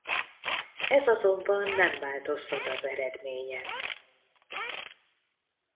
Ez azonban nem változtat az eredmémyen.